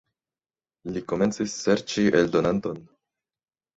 Li komencis serĉi eldonanton.